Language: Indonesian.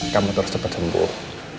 kamu terus cepet sembuh